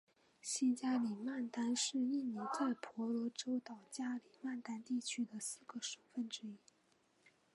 西加里曼丹是印尼在婆罗洲岛加里曼丹地区的四个省份之一。